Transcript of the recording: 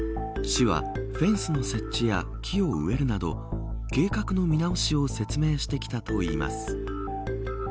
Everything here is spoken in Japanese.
市はフェンスの設置や木を植えるなど計画の見直しを説明してきたといいます。